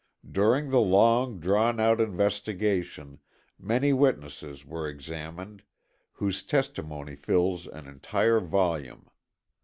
During the long drawn out investigation many witnesses were examined, whose testimony fills an entire volume.